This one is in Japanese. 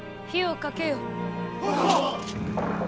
はっ！